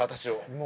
もう。